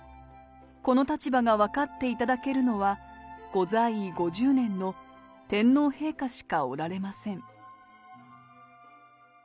この立場が分かっていただけるのは、ご在位５０年の天皇陛下しかおられません。